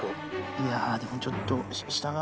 いや、でもちょっと、下が。